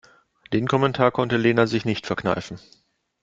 Den Kommentar konnte Lena sich nicht verkneifen.